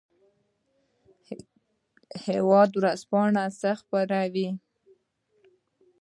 هیواد ورځپاڼه څه خپروي؟